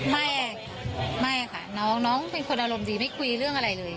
ไม่ค่ะไม่ค่ะน้องเป็นคนอารมณ์ดีไม่คุยเรื่องอะไรเลย